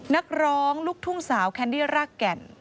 นักร้องลูกทุ่งสาวแคนดี้รากแก่น